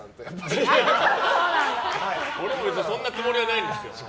俺もそんなつもりはないんです。